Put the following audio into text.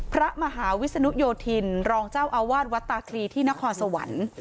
พระมหาวิศนุโยธินรองเจ้าอาวาสวัดตาคลีที่นครสวรรค์